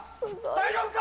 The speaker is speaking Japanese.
大丈夫か？